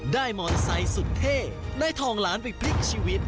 ได้มอนไซส์สุดเท่ได้ทองล้านวิกพลิกชีวิต